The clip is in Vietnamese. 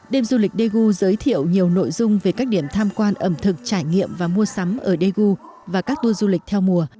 đêm du lịch daegu giới thiệu nhiều nội dung về các điểm tham quan ẩm thực trải nghiệm và mua sắm ở daegu và các tour du lịch theo mùa